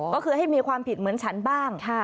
ก็คือให้มีความผิดเหมือนฉันบ้าง